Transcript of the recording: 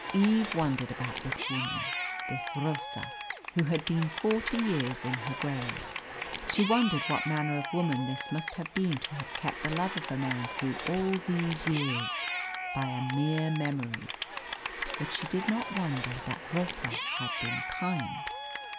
Eve wondered about this woman, this Rosa, who had been forty years in her grave. She wondered what manner of woman this must have been to have kept the love of a man through all these years by a mere memory, but she did not wonder that Rosa had been kind.